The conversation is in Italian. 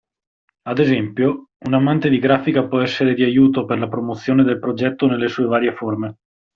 Ad esempio, un amante di grafica può essere di aiuto per la promozione del progetto nelle sue varie forme.